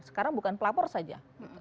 sekarang bukan pelapor saja